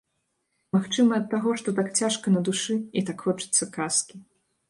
Магчыма, ад таго так цяжка на душы і так хочацца казкі.